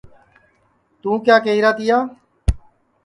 توں کیا کئیرا تیا